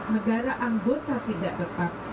negara anggota tidak tetap